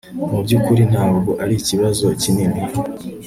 mubyukuri ntabwo arikibazo kinini